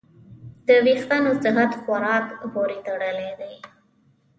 د وېښتیانو صحت خوراک پورې تړلی دی.